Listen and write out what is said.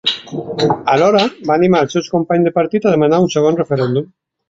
Alhora, va animar els seus companys de partit a demanar un segon referèndum.